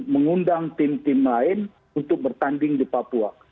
mengundang tim tim lain untuk bertanding di papua